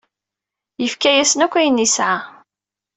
Yefka-yasen akk ayen yesɛa.